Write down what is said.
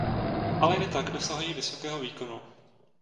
Ale i tak dosahují vysokého výkonu.